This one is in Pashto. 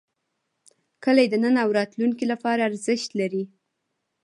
کلي د نن او راتلونکي لپاره ارزښت لري.